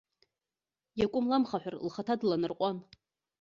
Иакәым ламхаҳәар, лхаҭа дланарҟәуан.